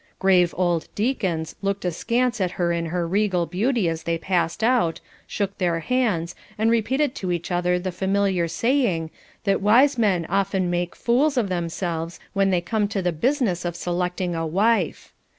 Grave old deacons looked askance at her in her regal beauty as they passed out, shook their heads, and repeated to each other the familiar saying, that wise men often make fools of themselves when they come to the business of selecting a wife.